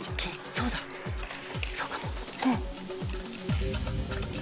そうだそうかも。